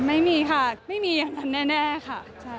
ไม่มีค่ะไม่มีอย่างนั้นแน่ค่ะ